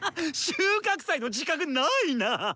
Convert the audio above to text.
収穫祭の自覚ないナ！